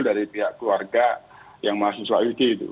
dari pihak keluarga yang mahasiswa uiki itu